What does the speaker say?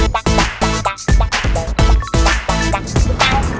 โปรดติดตามตอนต่อไป